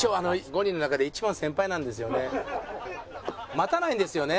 待たないんですよね